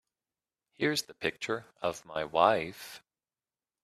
Here's the picture of my wife.